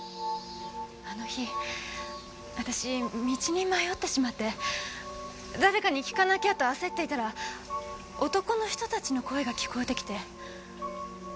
あの日私道に迷ってしまって誰かに聞かなきゃと焦っていたら男の人たちの声が聞こえてきて。